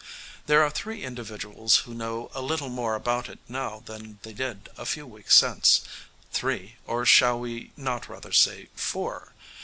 There are three individuals who know a little more about it now than they did a few weeks since three, or shall we not rather say four?